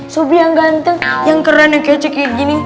sobi yang ganteng yang keren yang kecek kayak gini